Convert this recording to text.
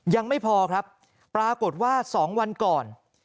ยังไม่พอครับปรากฏว่า๒วันก่อน